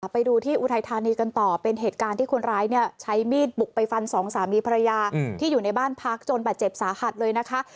ไปดูที่อุทัยธานีกันต่อเป็นเหตุการณ์ที่คนร้ายเนี่ยใช้มีดบุกไปฟันสองสามีภรรยาที่อยู่ในบ้านพักจนบาดเจ็บสาหัสเลยนะคะ